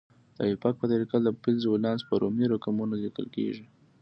د ایوپاک په طریقه د فلز ولانس په رومي رقمونو لیکل کیږي.